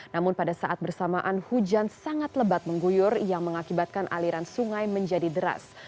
namun pada saat bersamaan hujan sangat lebat mengguyur yang mengakibatkan aliran sungai menjadi deras